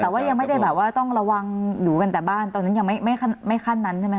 แต่ว่ายังไม่ได้แบบว่าต้องระวังอยู่กันแต่บ้านตอนนั้นยังไม่ขั้นนั้นใช่ไหมค